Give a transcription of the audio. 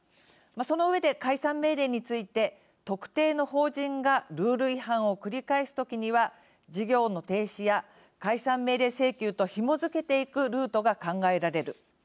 その上で、解散命令について特定の法人が、ルール違反を繰り返す時には事業の停止や解散命令請求とひもづけていくルートが考えられる。